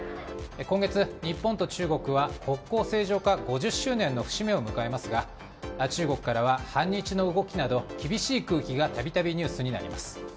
今月、日本と中国は国交正常化５０周年の節目を迎えますが中国からは反日の動きなど厳しい空気が度々ニュースになります。